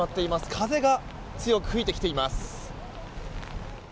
風が強く吹いてきています。